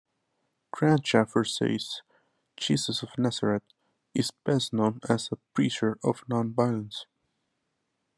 Grant Shafer says, Jesus of Nazareth is best known as a preacher of nonviolence.